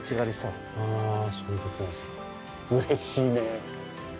うれしいね。